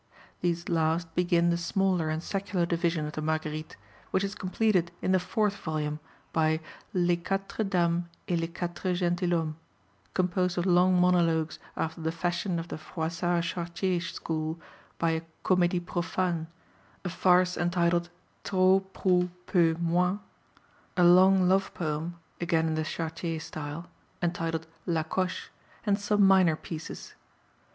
These last begin the smaller and secular division of the Marguerites, which is completed in the fourth volume by Les Quatre Dames et les Quatre Gentilhommes, composed of long monologues after the fashion of the Froissart Chartier school, by a "comédie profane," a farce entitled Trop, Prou [much], Peu, Moins; a long love poem, again in the Chartier style, entitled La Coche, and some minor pieces.